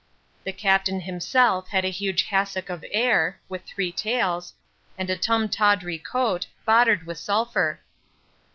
The captain himself had a huge hassock of air, with three tails, and a tum tawdry coat, boddered with sulfur.